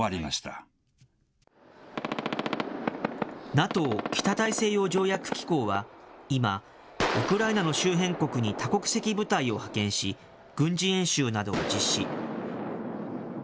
ＮＡＴＯ・北大西洋条約機構は、今、ウクライナの周辺国に多国籍部隊を派遣し、軍事演習などを実施。